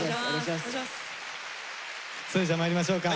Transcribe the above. それじゃまいりましょうか。